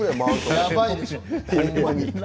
やばいでしょ。